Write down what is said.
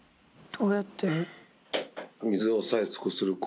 どうやってる？